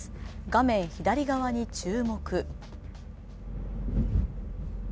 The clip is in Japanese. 画面左側に注目。